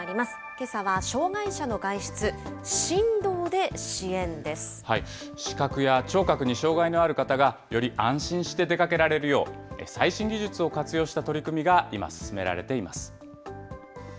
けさは、障害者の外出、振動で支視覚や聴覚に障害のある方が、より安心して出かけられるよう、最新技術を活用した取り組みが今、進められています。